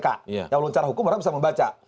kalau secara hukum orang bisa membaca